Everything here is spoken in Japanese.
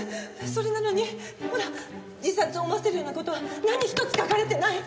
それなのにほら自殺を思わせるような事は何ひとつ書かれてない！